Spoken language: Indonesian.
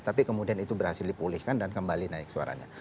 tapi kemudian itu berhasil dipulihkan dan kembali naik suaranya